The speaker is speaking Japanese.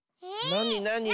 なになに？